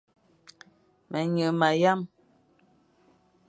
Ma nyeghe ma yam.